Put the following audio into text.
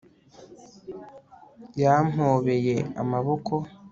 yampobeye amaboko